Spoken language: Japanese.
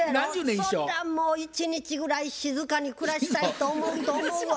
そんなんもう一日ぐらい静かに暮らしたいと思うと思うわ。